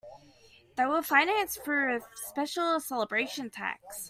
They were financed through a special celebration tax.